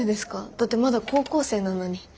だってまだ高校生なのに。